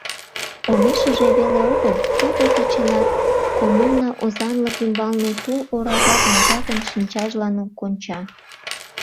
Омешыже веле огыл, сото кечынат коммуна озанлык ӱмбалне тул ора жапын-жапын шинчажлан конча.